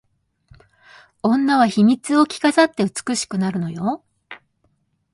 女は秘密を着飾って美しくなるのよ